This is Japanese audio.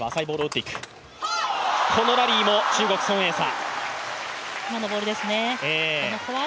このラリーも中国、孫エイ莎。